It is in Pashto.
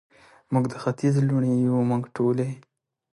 موږ د ختیځ لوڼې یو، موږ ټولې،